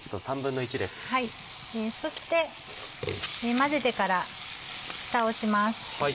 そして混ぜてからふたをします。